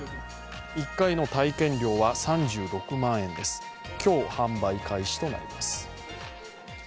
１回の体験料は３６万円で、今日、販売開始となります。